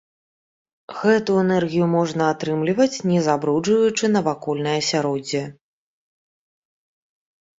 Гэту энергію можна атрымліваць не забруджваючы навакольнае асяроддзе.